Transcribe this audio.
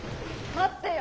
待ってよ！